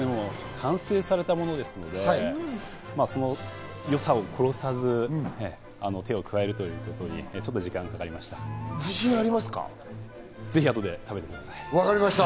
完成されたものですので、その良さを殺さず、手を加えるということにちょっと時間がかかりました。